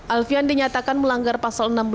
alfian dinyatakan melanggar pasal enam belas